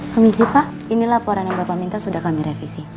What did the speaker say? komisi pak ini laporan yang bapak minta sudah kami revisi